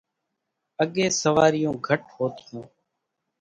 اڳيَ سوواريون گھٽ هوتِيون۔